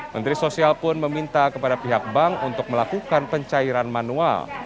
menteri sosial pun meminta kepada pihak bank untuk melakukan pencairan manual